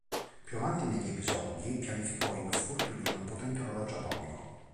Più avanti negli episodi, pianificò il furto di un potente orologio atomico.